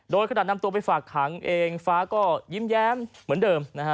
โดยขนาดนำตัวไปฝากขังเองฟ้าก็ยิ้มแย้มเหมือนเดิมนะฮะ